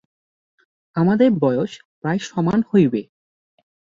আমাদের বয়স প্রায় সমান হইবে।